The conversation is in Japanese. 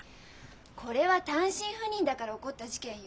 これは単身赴任だから起こった事件よ。